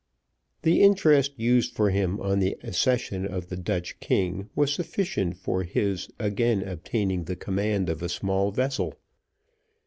The interest used for him on the accession of the Dutch king was sufficient for his again obtaining the command of a small vessel.